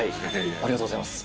ありがとうございます